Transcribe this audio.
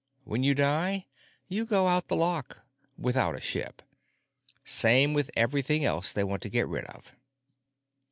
When you die, you go out the lock—without a ship. Same with everything else that they want to get rid of."